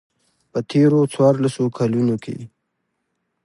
په تېرو څوارلسو کلونو کې.